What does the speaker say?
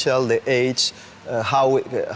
ไม่มีพวกมันเกี่ยวกับพวกเรา